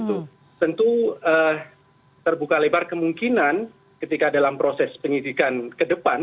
tentu terbuka lebar kemungkinan ketika dalam proses penyidikan ke depan